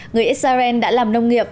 người israel đã làm nông nghiệp